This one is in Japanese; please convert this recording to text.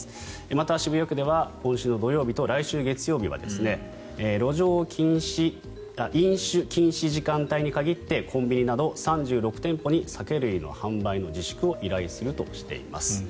また、渋谷区では今週の土曜日と来週の月曜日は飲酒禁止時間帯に限ってコンビニなど３６店舗に酒類の販売の自粛を依頼するとしています。